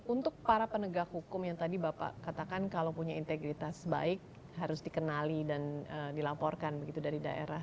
untuk para penegak hukum yang tadi bapak katakan kalau punya integritas baik harus dikenali dan dilaporkan begitu dari daerah